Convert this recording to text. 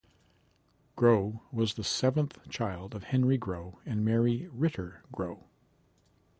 Grow was the seventh child of Henry Grow and Mary Riter Grow.